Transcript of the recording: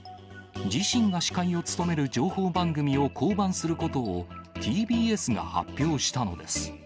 自身が司会を務める情報番組を降板することを、ＴＢＳが発表したのです。